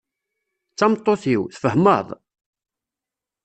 D tameṭṭut-iw, tfahmeḍ?